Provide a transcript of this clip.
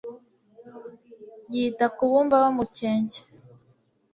Yita ku bumva bamukencye